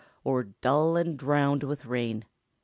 or dull and drowned with rain